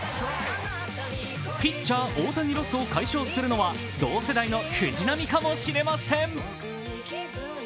ピッチャー・大谷ロスを解消するのは同世代の藤浪かもしれません。